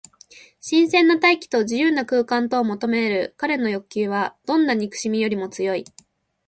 新鮮な大気と自由な空間とを求めるかれの欲求は、どんな憎しみよりも強い。